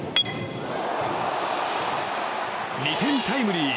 ２点タイムリー！